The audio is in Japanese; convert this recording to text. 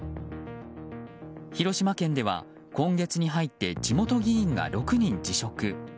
広島県では今月に入って地元議員が６人辞職。